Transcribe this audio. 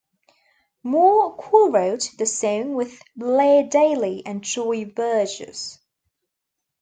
Moore co-wrote the song with Blair Daly and Troy Verges.